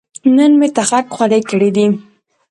نن مې تخرګ خولې کړې دي